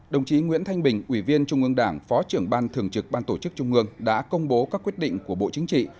đồng chí nguyễn thanh bình ủy viên trung ương đảng phó trưởng ban thường trực ban tổ chức trung ương đã công bố các quyết định của bộ chính trị